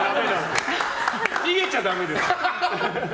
逃げちゃダメです。